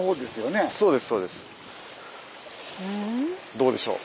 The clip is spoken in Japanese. どうでしょう。